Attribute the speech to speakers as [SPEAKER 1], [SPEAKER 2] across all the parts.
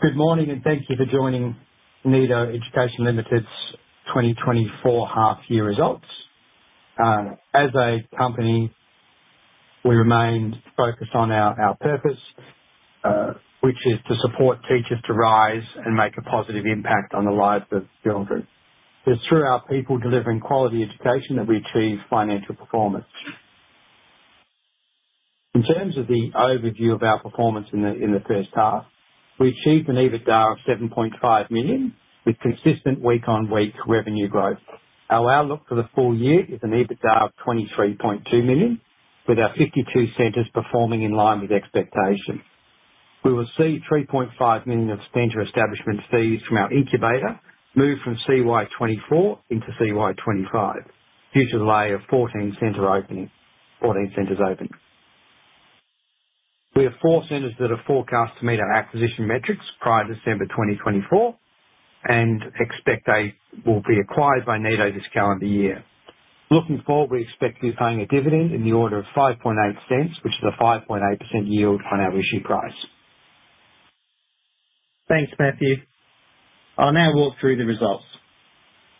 [SPEAKER 1] Good morning, and thank you for joining Nido Education Limited's 2024 Half-Year Results. As a company, we remained focused on our, our purpose, which is to support teachers to rise and make a positive impact on the lives of children. It's through our people delivering quality education that we achieve financial performance. In terms of the overview of our performance in the first half, we achieved an EBITDA of 7.5 million, with consistent week-on-week revenue growth. Our outlook for the full year is an EBITDA of 23.2 million, with our 52 centers performing in line with expectations. We will see 3.5 million of center establishment fees from our incubator move from CY 2024 into CY 2025, due to the delay of 14 center opening - 14 centers opening. We have four centers that are forecast to meet our acquisition metrics prior to December 2024, and expect they will be acquired by Nido this calendar year. Looking forward, we expect to be paying a dividend in the order of 0.058, which is a 5.8% yield on our issue price.
[SPEAKER 2] Thanks, Mathew. I'll now walk through the results.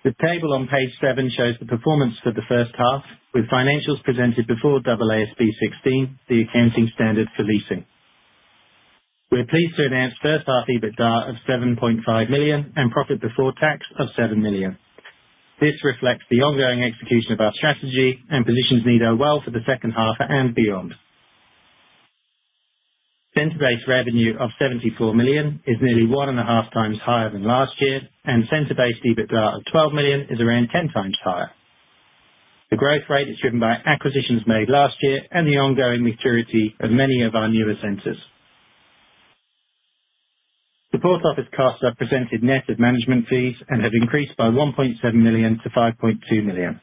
[SPEAKER 2] The table on page 7 shows the performance for the first half, with financials presented before AASB 16, the accounting standard for leasing. We're pleased to announce first half EBITDA of 7.5 million, and profit before tax of 7 million. This reflects the ongoing execution of our strategy, and positions Nido well for the second half and beyond. Center-based revenue of 74 million is nearly 1.5x higher than last year, and center-based EBITDA of 12 million is around 10x higher. The growth rate is driven by acquisitions made last year and the ongoing maturity of many of our newer centers. Support office costs are presented net of management fees and have increased by 1.7 million to 5.2 million.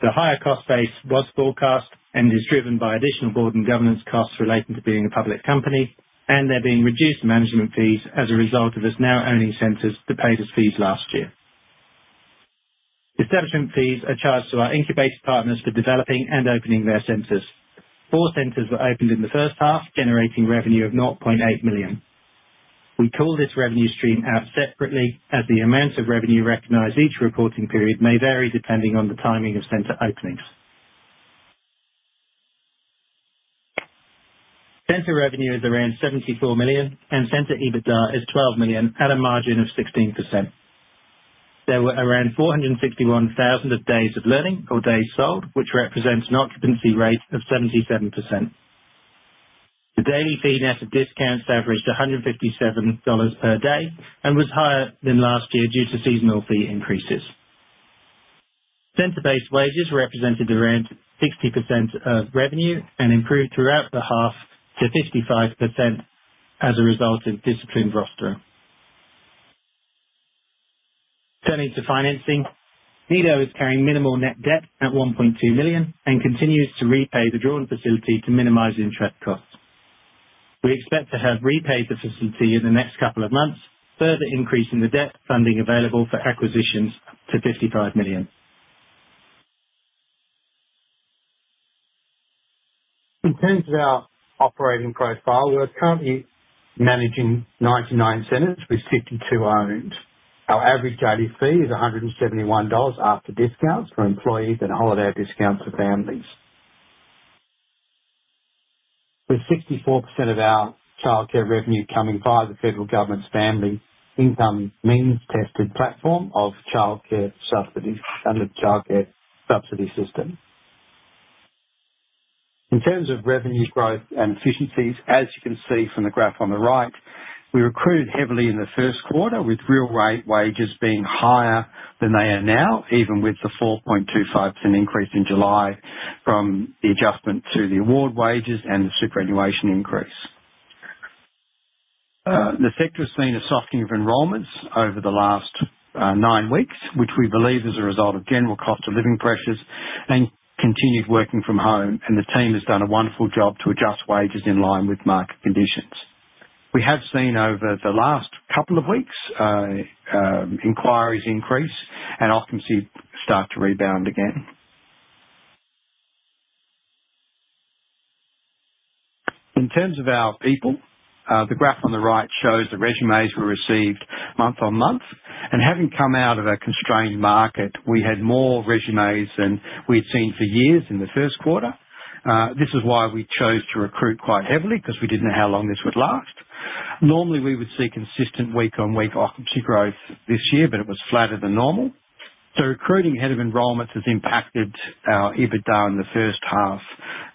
[SPEAKER 2] The higher cost base was forecast and is driven by additional board and governance costs relating to being a public company, and there being reduced management fees as a result of us now owning centers that paid us fees last year. Establishment fees are charged to our incubator partners for developing and opening their centers. Four centers were opened in the first half, generating revenue of 0.8 million. We call this revenue stream out separately, as the amount of revenue recognized each reporting period may vary depending on the timing of center openings. Center revenue is around 74 million, and center EBITDA is 12 million at a margin of 16%. There were around 451,000 days of learning or days sold, which represents an occupancy rate of 77%. The daily fee net of discounts averaged 157 dollars per day, and was higher than last year due to seasonal fee increases. Center-based wages represented around 60% of revenue and improved throughout the half to 55% as a result of disciplined rostering. Turning to financing, Nido is carrying minimal net debt at 1.2 million, and continues to repay the drawn facility to minimize interest costs. We expect to have repaid the facility in the next couple of months, further increasing the debt funding available for acquisitions to 55 million.
[SPEAKER 1] In terms of our operating profile, we are currently managing 99 centers with 52 owned. Our average daily fee is 171 dollars after discounts for employees and holiday discounts for families. With 64% of our childcare revenue coming via the federal government's family income means tested platform of childcare subsidies under the Child Care Subsidy system. In terms of revenue growth and efficiencies, as you can see from the graph on the right, we recruited heavily in the first quarter, with run rate wages being higher than they are now, even with the 4.25% increase in July from the adjustment to the award wages and the superannuation increase. The sector has seen a softening of enrollments over the last nine weeks, which we believe is a result of general cost of living pressures and continued working from home, and the team has done a wonderful job to adjust wages in line with market conditions. We have seen over the last couple of weeks, inquiries increase and occupancy start to rebound again. In terms of our people, the graph on the right shows the resumes we received month-on-month, and having come out of a constrained market, we had more resumes than we'd seen for years in the first quarter. This is why we chose to recruit quite heavily, because we didn't know how long this would last. Normally, we would see consistent week-on-week occupancy growth this year, but it was flatter than normal. So recruiting ahead of enrollments has impacted our EBITDA in the first half,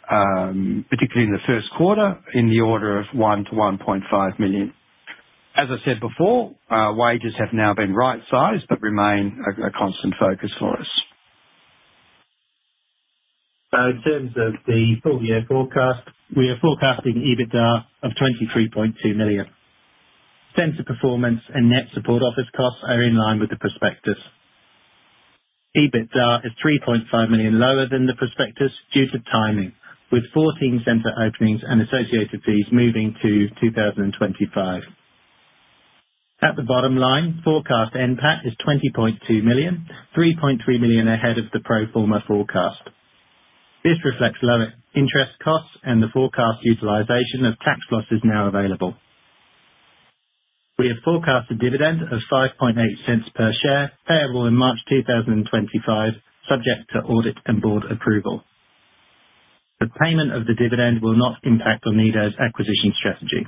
[SPEAKER 1] particularly in the first quarter, in the order of 1 million-1.5 million. As I said before, wages have now been right sized, but remain a constant focus for us.
[SPEAKER 2] So in terms of the full year forecast, we are forecasting EBITDA of 23.2 million. Center performance and net support office costs are in line with the prospectus. EBITDA is 3.5 million lower than the prospectus due to timing, with 14 center openings and associated fees moving to 2025. At the bottom line, forecast NPAT is 20.2 million, 3.3 million ahead of the pro forma forecast. This reflects lower interest costs and the forecast utilization of tax losses now available. We have forecast a dividend of 0.058 per share, payable in March 2025, subject to audit and board approval. The payment of the dividend will not impact on Nido's acquisition strategy.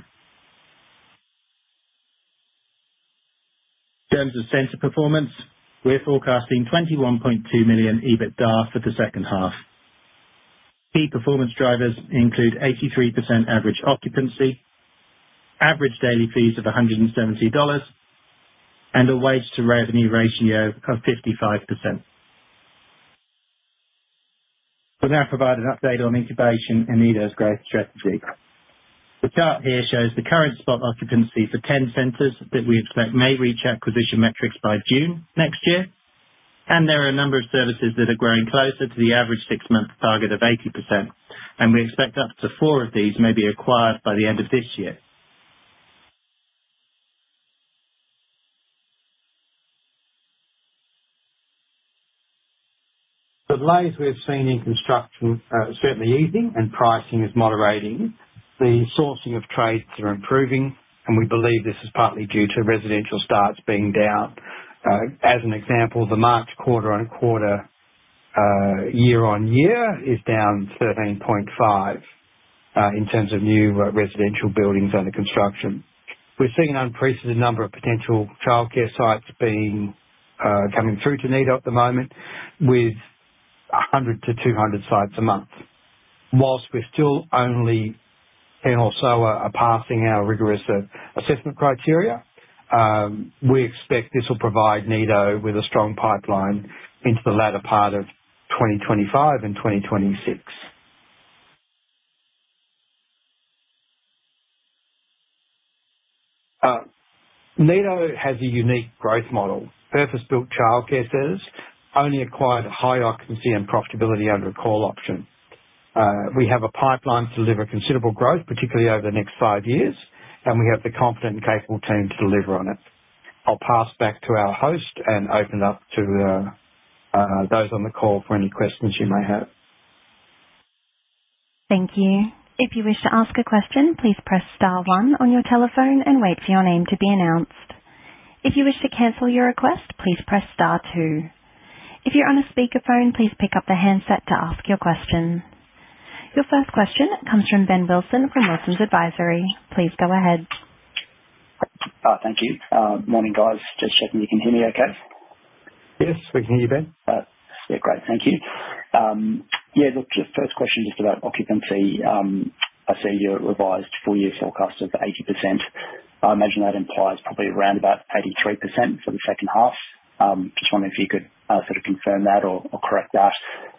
[SPEAKER 2] In terms of center performance, we're forecasting 21.2 million EBITDAR for the second half. Key performance drivers include 83% average occupancy, average daily fees of 170 dollars, and a wage to revenue ratio of 55%. We'll now provide an update on incubation and Nido's growth strategy. The chart here shows the current spot occupancy for 10 centers that we expect may reach acquisition metrics by June next year, and there are a number of services that are growing closer to the average six-month target of 80%, and we expect up to four of these may be acquired by the end of this year.
[SPEAKER 1] The delays we have seen in construction are certainly easing and pricing is moderating. The sourcing of trades are improving, and we believe this is partly due to residential starts being down. As an example, the March quarter-on-quarter, year-on-year is down 13.5% in terms of new residential buildings under construction. We're seeing an unprecedented number of potential childcare sites being coming through to Nido at the moment with 100-200 sites a month. Whilst we're still only 10 or so are passing our rigorous assessment criteria, we expect this will provide Nido with a strong pipeline into the latter part of 2025 and 2026. Nido has a unique growth model. Purpose-built childcares only acquired a high occupancy and profitability under a call option. We have a pipeline to deliver considerable growth, particularly over the next five years, and we have the competent and capable team to deliver on it. I'll pass back to our host and open it up to those on the call for any questions you may have.
[SPEAKER 3] Thank you. If you wish to ask a question, please press star one on your telephone and wait for your name to be announced. If you wish to cancel your request, please press star two. If you're on a speakerphone, please pick up the handset to ask your question. Your first question comes from Ben Wilson from Wilsons Advisory. Please go ahead.
[SPEAKER 4] Thank you. Morning, guys. Just checking you can hear me okay?
[SPEAKER 1] Yes, we can hear you, Ben.
[SPEAKER 4] Yeah, great. Thank you. Yeah, look, the first question is about occupancy. I see your revised full year forecast of 80%. I imagine that implies probably around about 83% for the second half. Just wondering if you could sort of confirm that or correct that,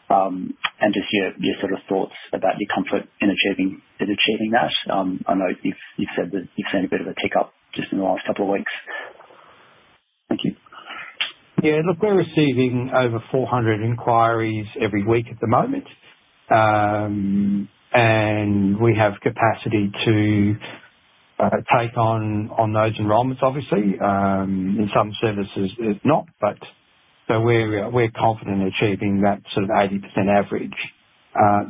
[SPEAKER 4] and just hear your sort of thoughts about your comfort in achieving that? I know you've said that you've seen a bit of a tick-up just in the last couple of weeks. Thank you.
[SPEAKER 1] Yeah, look, we're receiving over 400 inquiries every week at the moment. We have capacity to take on those enrollments, obviously. In some services, if not, so we're confident in achieving that sort of 80% average.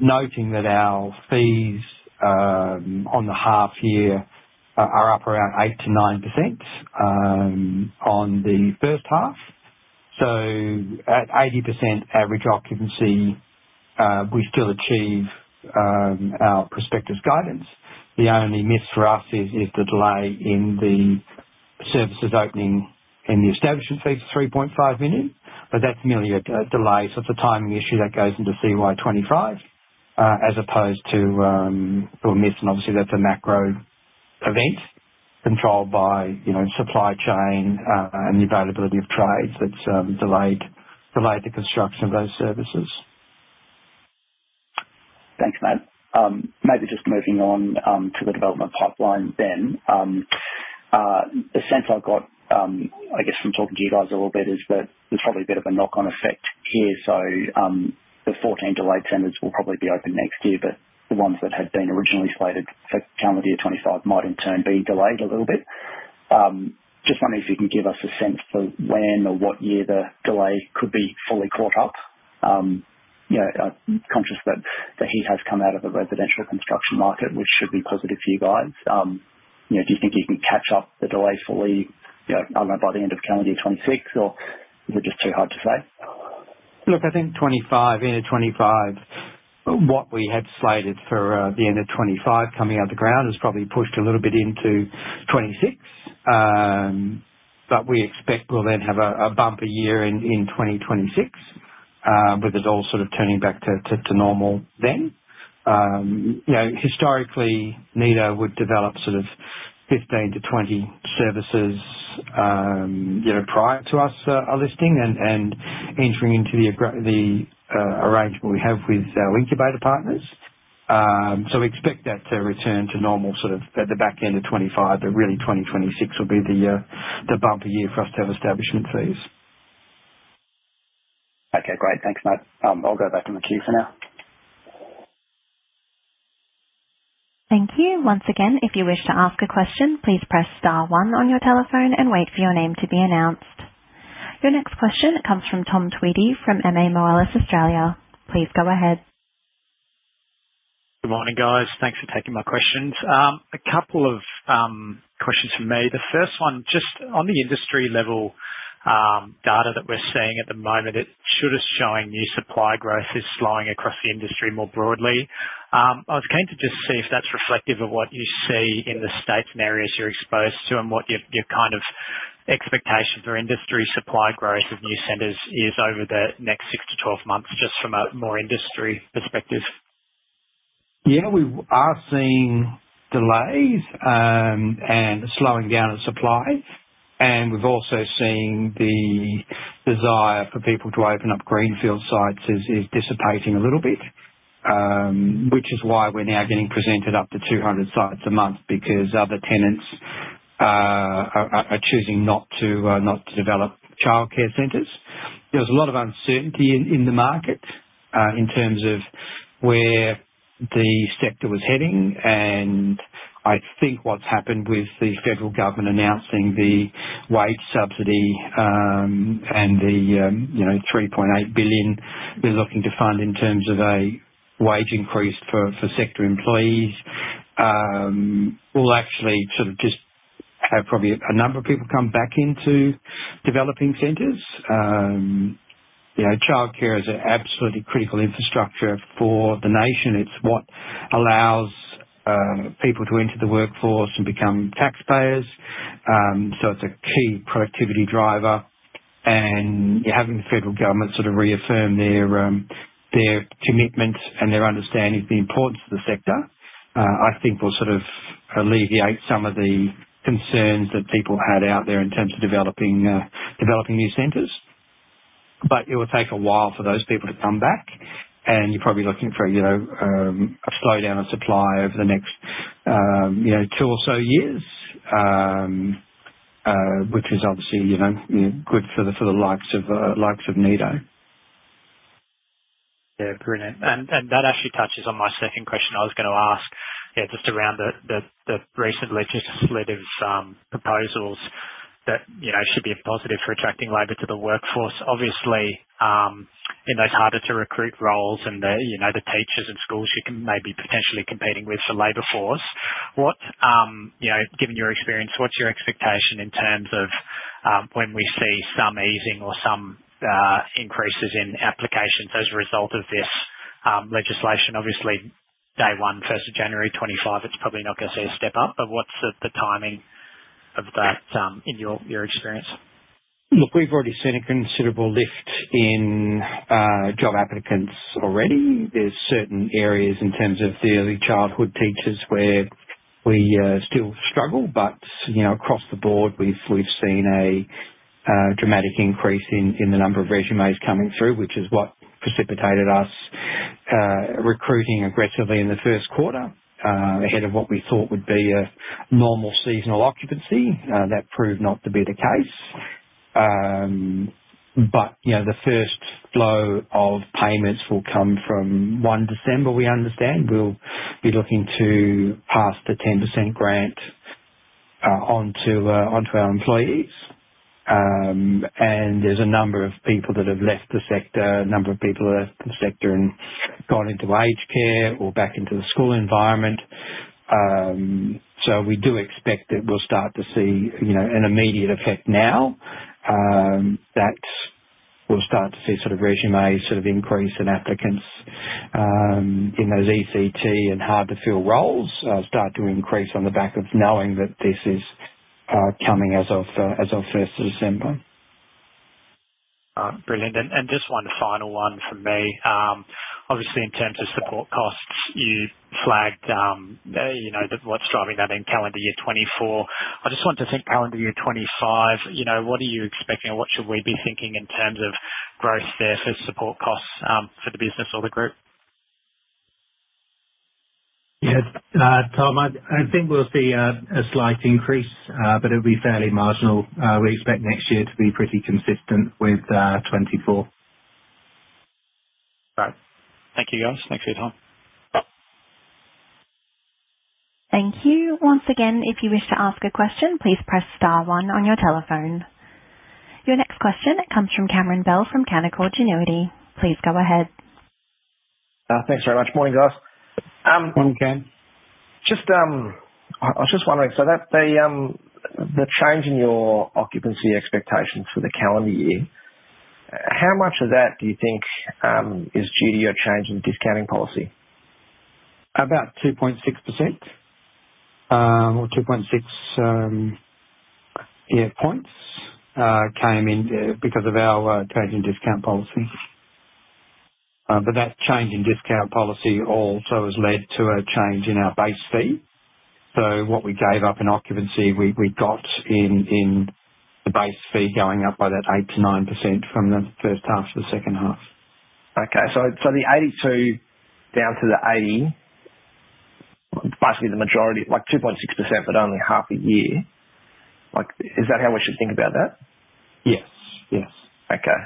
[SPEAKER 1] Noting that our fees on the half year are up around 8%-9% on the first half. So at 80% average occupancy, we still achieve our prospectus guidance. The only miss for us is the delay in the services opening and the establishment fee for 3.5 million, but that's merely a delay. So it's a timing issue that goes into FY 2025, as opposed to, we're missing obviously that's a macro event controlled by, you know, supply chain, and the availability of trades that's delayed the construction of those services.
[SPEAKER 4] Thanks, Matt. Maybe just moving on to the development pipeline then. The sense I've got, I guess from talking to you guys a little bit, is that there's probably a bit of a knock-on effect here, so the 14 delayed centers will probably be open next year, but the ones that had been originally slated for calendar year 2025 might in turn be delayed a little bit. Just wondering if you can give us a sense for when or what year the delay could be fully caught up? You know, I'm conscious that the heat has come out of the residential construction market, which should be positive for you guys. You know, do you think you can catch up the delays fully, you know, I don't know, by the end of calendar year 2026, or is it just too hard to say?
[SPEAKER 1] Look, I think 2025, end of 2025, what we had slated for, the end of 2025 coming out of the ground is probably pushed a little bit into 2026. But we expect we'll then have a bumper year in 2026, with it all sort of turning back to normal then. You know, historically, Nido would develop sort of 15 to 20 services, you know, prior to us listing and entering into the arrangement we have with our incubator partners. So we expect that to return to normal, sort of at the back end of 2025, but really 2026 will be the bumper year for us to have establishment fees.
[SPEAKER 4] Okay, great. Thanks, Matt. I'll go back to queue for now.
[SPEAKER 3] Thank you. Once again, if you wish to ask a question, please press star one on your telephone and wait for your name to be announced. Your next question comes from Tom Tweedie, from MA Moelis Australia. Please go ahead.
[SPEAKER 5] Good morning, guys. Thanks for taking my questions. A couple of questions from me. The first one, just on the industry level, data that we're seeing at the moment, it should be showing new supply growth is slowing across the industry more broadly. I was keen to just see if that's reflective of what you see in the states and areas you're exposed to, and what your, your kind of expectations for industry supply growth of new centers is over the next six to 12 months, just from a more industry perspective.
[SPEAKER 1] Yeah, we are seeing delays and slowing down of supply, and we've also seen the desire for people to open up greenfield sites is dissipating a little bit. Which is why we're now getting presented up to 200 sites a month, because other tenants are choosing not to develop childcare centers. There's a lot of uncertainty in the market in terms of where the sector was heading, and I think what's happened with the federal government announcing the wage subsidy, and the, you know, 3.8 billion we're looking to fund in terms of a wage increase for sector employees will actually sort of just have probably a number of people come back into developing centers. You know, childcare is an absolutely critical infrastructure for the nation. It's what allows people to enter the workforce and become taxpayers. So it's a key productivity driver, and you're having the federal government sort of reaffirm their commitment and their understanding of the importance of the sector. I think will sort of alleviate some of the concerns that people had out there in terms of developing new centers. But it will take a while for those people to come back, and you're probably looking for, you know, a slowdown of supply over the next, you know, two or so years. Which is obviously, you know, good for the, for the likes of Nido.
[SPEAKER 5] Yeah, brilliant. That actually touches on my second question I was going to ask. Yeah, just around the recent legislative proposals that, you know, should be a positive for attracting labor to the workforce. Obviously, in those harder to recruit roles and the teachers in schools you may be potentially competing with the labor force. What's your expectation in terms of when we see some easing or some increases in applications as a result of this legislation? Obviously, day one, first of January 2025, it's probably not going to see a step up, but what's the timing of that in your experience?
[SPEAKER 1] Look, we've already seen a considerable lift in job applicants already. There's certain areas in terms of the early childhood teachers where we still struggle, but you know, across the board, we've seen a dramatic increase in the number of resumes coming through, which is what precipitated us recruiting aggressively in the first quarter ahead of what we thought would be a normal seasonal occupancy. That proved not to be the case. But you know, the first flow of payments will come from 1 December, we understand. We'll be looking to pass the 10% grant on to our employees. And there's a number of people that have left the sector, a number of people that left the sector and gone into aged care or back into the school environment. So we do expect that we'll start to see, you know, an immediate effect now, that we'll start to see sort of resumes, sort of increase in applicants, in those ECT and hard-to-fill roles, start to increase on the back of knowing that this is coming as of first of December.
[SPEAKER 5] Brilliant. And just one final one from me. Obviously, in terms of support costs, you flagged, you know, what's driving that in calendar year 2024. I just want to think calendar year 2025, you know, what are you expecting or what should we be thinking in terms of growth there, so support costs for the business or the group?
[SPEAKER 1] Yes. Tom, I think we'll see a slight increase, but it'll be fairly marginal. We expect next year to be pretty consistent with 2024.
[SPEAKER 5] Right. Thank you, guys. Thanks for your time.
[SPEAKER 3] Thank you. Once again, if you wish to ask a question, please press star one on your telephone. Your next question comes from Cameron Bell, from Canaccord Genuity. Please go ahead.
[SPEAKER 6] Thanks very much. Morning, guys.
[SPEAKER 1] Morning, Cam.
[SPEAKER 6] Just, I was just wondering, so that the change in your occupancy expectations for the calendar year, how much of that do you think is due to your change in discounting policy?
[SPEAKER 2] About 2.6%, or 2.6 year points, came in because of our change in discount policy. But that change in discount policy also has led to a change in our base fee. So what we gave up in occupancy, we got in the base fee going up by that 8%-9% from the first half to the second half.
[SPEAKER 6] Okay. So the 82% down to the 80%, basically the majority, like 2.6%, but only half a year? Like, is that how we should think about that?
[SPEAKER 2] Yes. Yes.
[SPEAKER 6] Okay.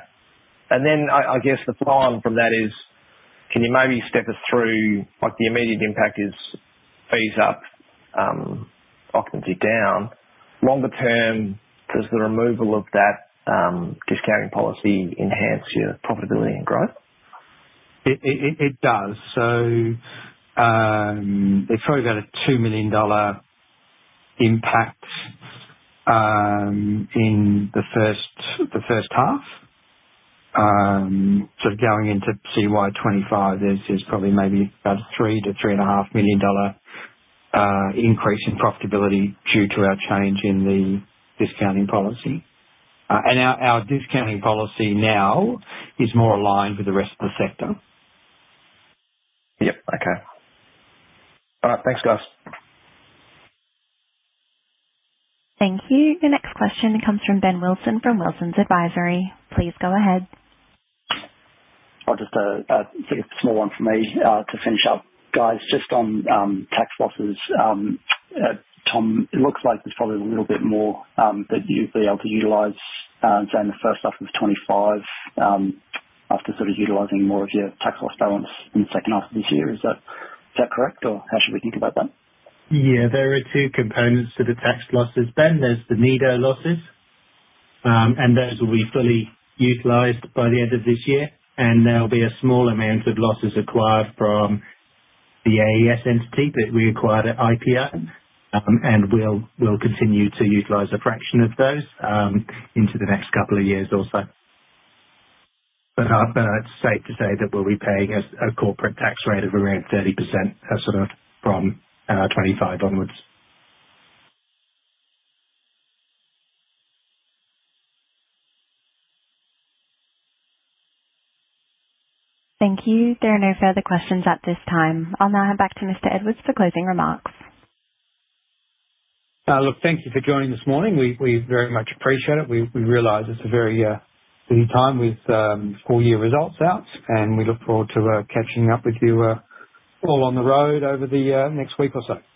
[SPEAKER 6] And then I guess the follow-on from that is, can you maybe step us through, like, the immediate impact is fees up, occupancy down. Longer term, does the removal of that, discounting policy enhance your profitability and growth?
[SPEAKER 2] It does. So, it's probably about a AUD 2 million impact in the first half. Sort of going into CY 2025, there's probably maybe about 3 million-3.5 million dollar increase in profitability due to our change in the discounting policy. And our discounting policy now is more aligned with the rest of the sector.
[SPEAKER 6] Yep. Okay. All right, thanks, guys.
[SPEAKER 3] Thank you. The next question comes from Ben Wilson, from Wilson's Advisory. Please go ahead.
[SPEAKER 4] Oh, just a small one for me to finish up. Guys, just on tax losses, Tom, it looks like there's probably a little bit more that you'd be able to utilize, say, in the first half of 2025, after sort of utilizing more of your tax loss balance in the second half of this year. Is that correct, or how should we think about that?
[SPEAKER 2] Yeah, there are two components to the tax losses, Ben. There's the Nido losses, and those will be fully utilized by the end of this year, and there'll be a small amount of losses acquired from the NAES entity that we acquired at IPO, and we'll continue to utilize a fraction of those, into the next couple of years or so. But, it's safe to say that we'll be paying a corporate tax rate of around 30%, sort of from 2025 onwards.
[SPEAKER 3] Thank you. There are no further questions at this time. I'll now hand back to Mr. Edwards for closing remarks.
[SPEAKER 1] Look, thank you for joining this morning. We very much appreciate it. We realize it's a very busy time with full-year results out, and we look forward to catching up with you all on the road over the next week or so.